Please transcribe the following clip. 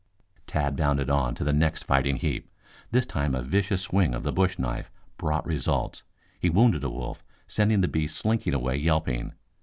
Tad bounded on to the next fighting heap. This time a vicious swing of the bush knife brought results. He wounded a wolf, sending the beast slinking away yelping.